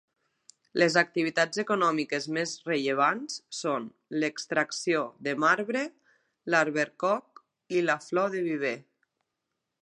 Les activitats econòmiques més rellevants són l'extracció de marbre, l'albercoc i la flor de viver.